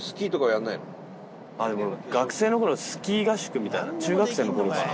でも学生の頃スキー合宿みたいな中学生の頃かな？